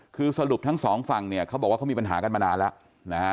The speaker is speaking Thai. คือสรุปทั้งสองฝั่งเนี่ยเขาบอกว่าเขามีปัญหากันมานานแล้วนะฮะ